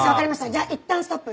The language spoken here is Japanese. じゃあいったんストップ！